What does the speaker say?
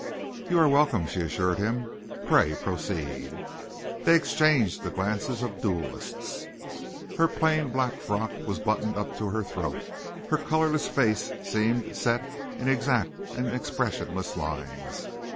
"You are welcome," she assured him. "Pray proceed." They exchanged the glances of duelists. Her plain black frock was buttoned up to her throat. Her colourless face seemed set in exact and expressionless lines.